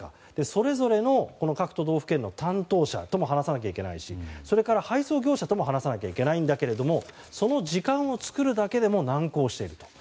それぞれ各都道府県の担当者とも話さないといけないし配送業者とも話さないといけないけれどもその時間を作るだけでも難航している。